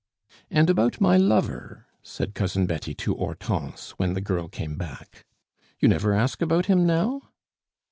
"And about my lover?" said Cousin Betty to Hortense, when the girl came back. "You never ask about him now?"